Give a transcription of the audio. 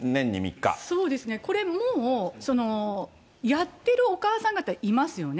そうですね、これ、もう、やってるお母さん方、いますよね。